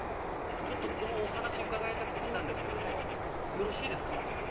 このお話を伺いたくて来たんですけどもよろしいですか？